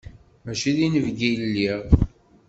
Mačči d inebgi i lliɣ.